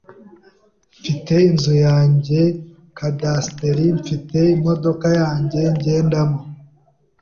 mfite inzu yanjye CADASTRE, Mfite imodoka yanjye ngendamo,